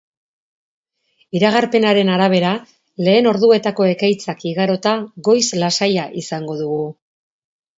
Iragarpenaren arabera, lehen orduetako ekaitzak igarota, goiz lasaia izango dugu.